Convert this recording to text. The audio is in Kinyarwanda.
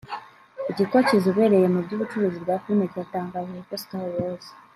ikigo kizobereye mu by’ubucuruzi bwa film cyatangaje ko Star Wars